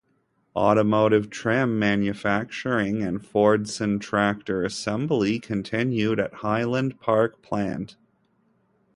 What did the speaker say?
Automotive trim manufacturing and Fordson tractor assembly continued at the Highland Park plant.